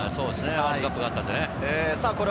ワールドカップがあったからね。